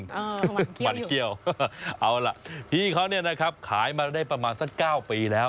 เออมันเคี่ยวอยู่มันเคี่ยวเอาล่ะพี่เขาเนี่ยนะครับขายมาได้ประมาณสัก๙ปีแล้ว